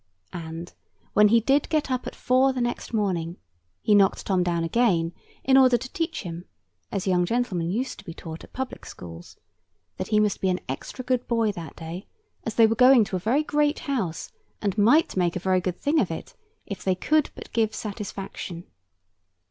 And, when he did get up at four the next morning, he knocked Tom down again, in order to teach him (as young gentlemen used to be taught at public schools) that he must be an extra good boy that day, as they were going to a very great house, and might make a very good thing of it, if they could but give satisfaction.